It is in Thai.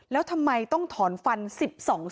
แล้วทำไมต้องถอนฟัน๑๒เส้น